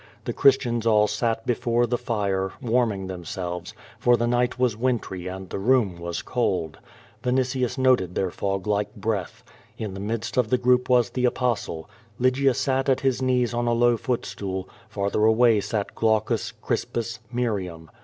The Christians all sat be fore the fire warming themselves, for the night was wintry and the room was cold. Vinitius noted their fog like breath. In the midst of the group was the Apostle. Lygia sat at his knees QVO VADI8. 199 on a low footstool, farther away sat Glaucus, Crispus, Miriam.